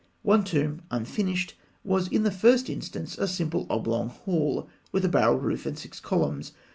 One tomb, unfinished, was in the first instance a simple oblong hall, with a barrel roof and six columns.